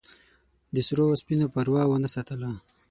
د سرو او سپینو پروا ونه ساتله.